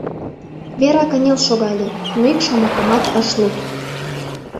Вера кынел шогале, но ик шомакымат ыш лук.